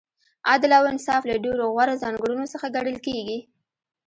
عدل او انصاف له ډېرو غوره ځانګړنو څخه ګڼل کیږي.